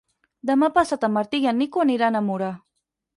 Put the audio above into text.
Demà passat en Martí i en Nico aniran a Mura.